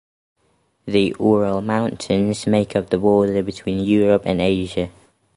The Ural mountains make up the border between Europe and Asia.